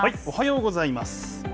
おはようございます。